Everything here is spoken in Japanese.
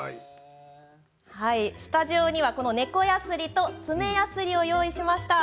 スタジオには猫やすりと爪やすりをご用意しました。